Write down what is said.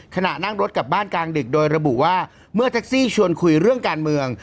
ขณะนั่งรถกลับบ้านกลางดึกโดยระบุว่าเมื่อแท็กซี่ชวนคุยเรื่องการเมือง